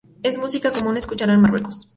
Es música común escucharla en Marruecos.